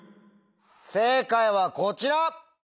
正解はこちら！